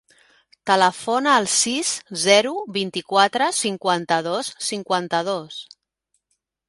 Telefona al sis, zero, vint-i-quatre, cinquanta-dos, cinquanta-dos.